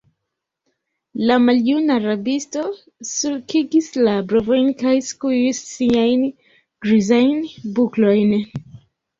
La maljuna rabisto sulkigis la brovojn kaj skuis siajn grizajn buklojn.